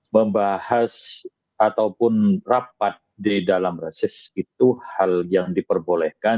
membahas ataupun rapat di dalam reses itu hal yang diperbolehkan